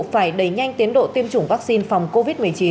phải đẩy nhanh tiến độ tiêm chủng vaccine phòng covid một mươi chín